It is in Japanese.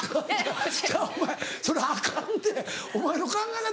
ちゃうお前それアカンでお前の考え方